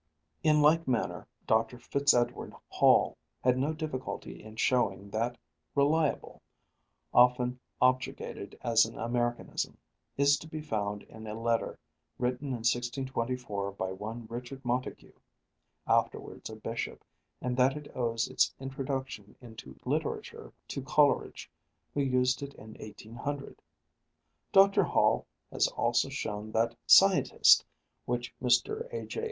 In like manner Dr. Fitzedward Hall had no difficulty in showing that reliable, often objurgated as an Americanism, is to be found in a letter written in 1624 by one Richard Montagu, afterwards a bishop, and that it owes its introduction into literature to Coleridge, who used it in 1800. Dr. Hall has also shown that scientist, which Mr. A. J.